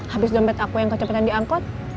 habis dompet aku yang kecepetan diangkut